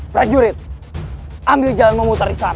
prajurit ambil jalan memutar di sana